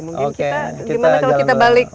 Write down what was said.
mungkin kita gimana kalau kita balik